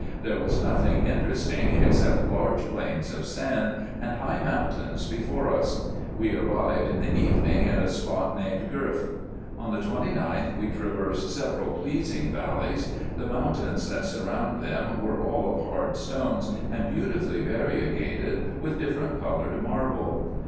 There was nothing in teresting, except large plains of sand, and high mountains before us. We arrived in the evening at a spot named Gerf. On the 29th we traversed several pleasing valleys. The moun tains that surrounded them were all of hard stones, and beautifully variegated with different coloured marble.